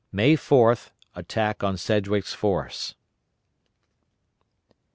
MAY FOURTH. ATTACK ON SEDGWICK'S FORCE.